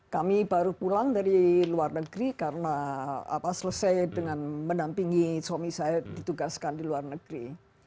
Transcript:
kami baru pulang dari luar negeri karena selesai dengan mendampingi suami saya ditugaskan di luar negeri